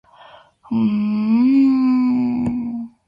Commercial areas are mainly centered about Glenway Avenue.